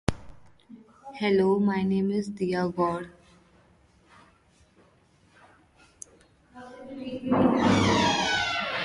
At Washington State, he was a member of the Alpha Gamma Rho fraternity.